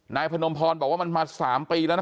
นายพนมพรบอกว่ามันมา๓ปีแล้วนะ